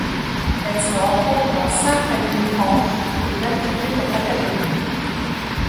Elle se rencontre dans cinq lagunes entre et d'altitude en Patagonie.